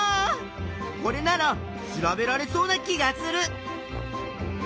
これなら調べられそうな気がする！